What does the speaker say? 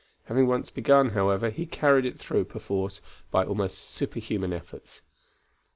Having once begun, however, he carried it through, perforce, by almost superhuman efforts.